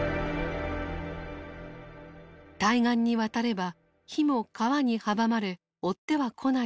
対岸に渡れば火も川に阻まれ追っては来ないと考えたのだ。